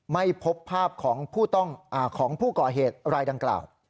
ไม่พบภาพของผู้ก่อเหตุรายดังกล่าว